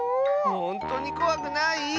ほんとにこわくない？